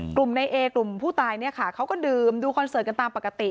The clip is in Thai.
กลุ่มในเอกลุ่มผู้ตายเนี่ยค่ะเขาก็ดื่มดูคอนเสิร์ตกันตามปกติ